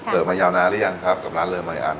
มายาวนานหรือยังครับกับร้านเรือไมอัน